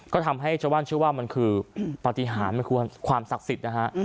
ก็ทำให้ชาวบ้านเชื่อว่ามันคือปฏิหารมันควรความศักดิ์สิทธิ์นะฮะ